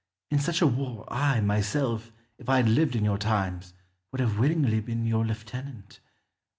In such a war I, myself, if I had lived in your times, would have willingly been your lieutenant.